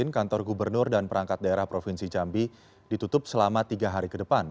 kantor gubernur dan perangkat daerah provinsi jambi ditutup selama tiga hari ke depan